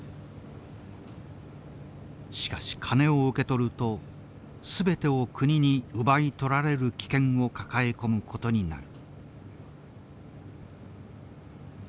しかし金を受け取るとすべてを国に奪い取られる危険を抱え込むことになる。